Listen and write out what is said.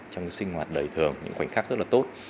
trong sinh hoạt đời thường những khoảnh khắc rất tốt